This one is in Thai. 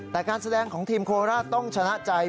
แต่การแสดงของทีมโคราชต้องชนะใจ